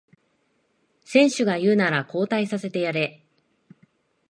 選手が言うなら交代させてやれ